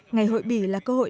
ngày hội bỉ là cơ hội